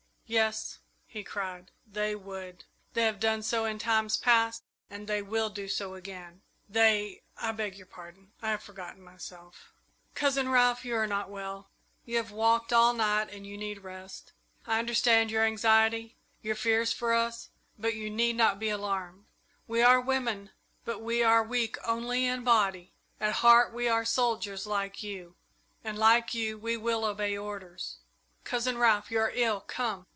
"Yes," he cried, "they would! They have done so in times past and they will do so again! They I beg your pardon I have forgotten myself I I " "Cousin Ralph, you are not well. You have walked all night, and you need rest. I understand your anxiety, your fears for us, but you need not be alarmed. We are women, but we are weak only in body at heart we are soldiers like you, and, like you, we will obey orders. Cousin Ralph! You are ill! Come!"